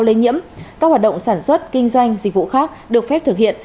lây nhiễm các hoạt động sản xuất kinh doanh dịch vụ khác được phép thực hiện